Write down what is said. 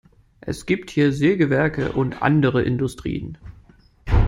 Es gibt hier Sägewerke und andere Industrien.